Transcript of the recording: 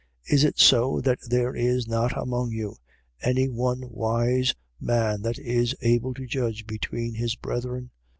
Is it so that there is not among you any one wise man that is able to judge between his brethren?